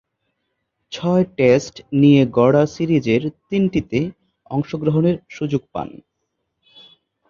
ছয়-টেস্ট নিয়ে গড়া সিরিজের তিনটিতে অংশগ্রহণের সুযোগ পান।